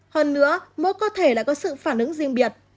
hơn nữa mỗi cơ thể lại có sự phản ứng riêng biệt